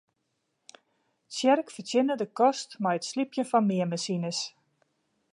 Tsjerk fertsjinne de kost mei it slypjen fan meanmasines.